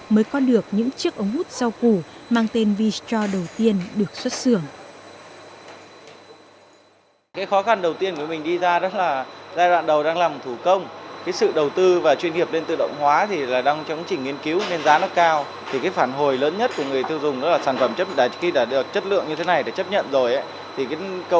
mới có được những chiếc ống hút rau củ mang tên v straw đầu tiên được xuất xưởng